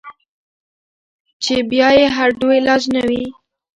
چې بيا ئې هډو علاج نۀ وي -